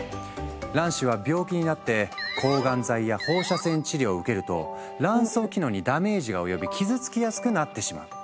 卵子は病気になって抗がん剤や放射線治療を受けると卵巣機能にダメージが及び傷つきやすくなってしまう。